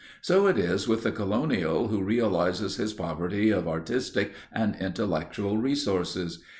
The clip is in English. So it is with the colonial who realizes his poverty of artistic and intellectual resources.